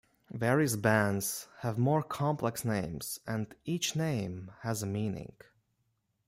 Various bands have more complex names and each name has a meaning.